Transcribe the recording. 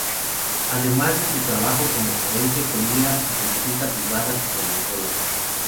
Además de su trabajo como forense, tenía su consulta privada de dermatólogo.